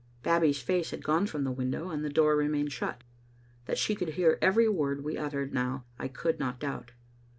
Babbie's face had gone from the window, and the door remained ghut. That she could hear every word we uttered now, I could not doubt.